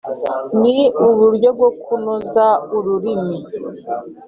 ni uburyo bwo kunoza ururimi